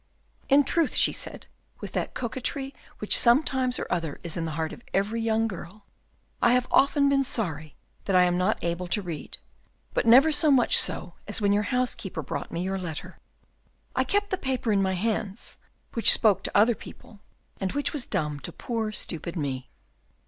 "In truth," she said, with that coquetry which somehow or other is in the heart of every young girl, "I have often been sorry that I am not able to read, but never so much so as when your housekeeper brought me your letter. I kept the paper in my hands, which spoke to other people, and which was dumb to poor stupid me."